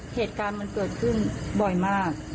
เหตุการณ์มันเกิดขึ้นบ่อยมาก